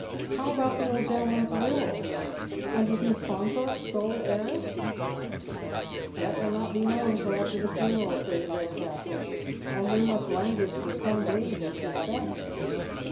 How about the old gentleman's will ? And is Miss Faunthorpe sole heiress ?" "That will not be known till after the funeral," says Redcastle, " and we must languish for some days in suspense."